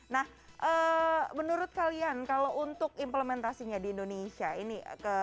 nah menurut kalian kalau untuk implementasinya di indonesia ini